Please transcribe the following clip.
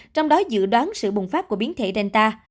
trong đó dự đoán sự bùng phát của biến thể delta